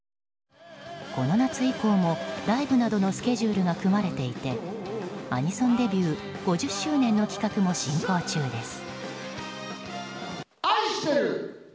この夏以降もライブなどのスケジュールが組まれていてアニソンデビュー５０周年の企画も進行中です。